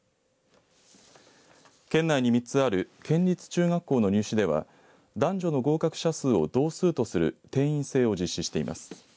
県内に３つある県立中学校の入試ては男女の合格者数を同数とする定員制を実施しています。